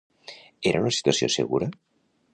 Era una situació segura?